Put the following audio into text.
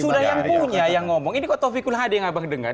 sudah yang punya yang ngomong ini kok tofi kul hadih yang abang dengar